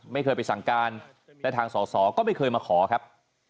ไม่เคยไปสั่งการและทางสอสอก็ไม่เคยมาขอครับ